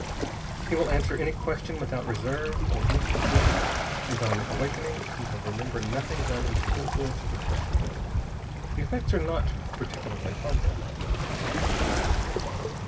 He will answer any question without reserve or any concealment. And on awakening he will remember nothing done under the influence of the potion. The effects are not particularly harmful.